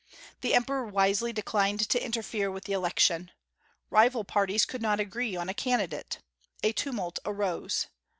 The emperor wisely declined to interfere with the election. Rival parties could not agree on a candidate. A tumult arose.